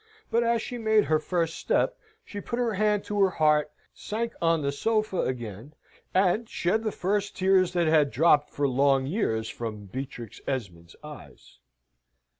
But, as she made her first step, she put her hand to her heart, sank on the sofa again, an shed the first tears that had dropped for long years from Beatrix Esmond's eyes.